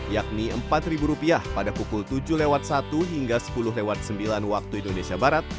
yakni rp empat pada pukul tujuh satu hingga sepuluh sembilan waktu indonesia barat